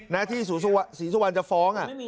นะที่ศรีสุวรรณจะฟ้อง